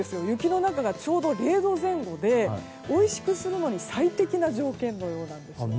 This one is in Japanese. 雪の中がちょうど０度前後でおいしくするのに最適な条件のようなんです。